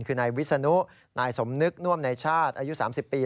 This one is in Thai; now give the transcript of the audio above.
คือนายวิศนุนายสมนึกน่วมในชาติอายุ๓๐ปี